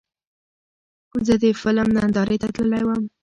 زه د فلم نندارې ته تللی وم.